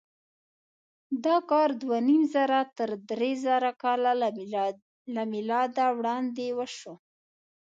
دا کار دوهنیمزره تر درېزره کاله له مېلاده وړاندې وشو.